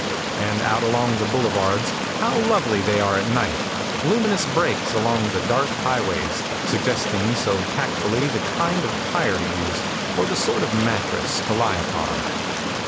And out along the boulevards, how lovely they are at night, luminous breaks along the dark highways, suggesting so tactfully the kind of tire to use or the sort of mattress to lie upon.